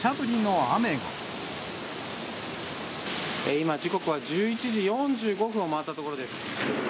今、時刻は１１時４５分を回ったところです。